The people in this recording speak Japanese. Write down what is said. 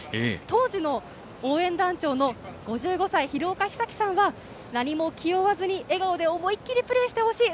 当時の応援団長の５５歳、ひろおかひさきさんは何も気負わずに笑顔で思い切りプレーしてほしい。